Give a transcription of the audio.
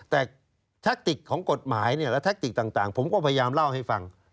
แต่แทคติกของกฎหมายและแท็กติกต่างผมก็พยายามเล่าให้ฟัง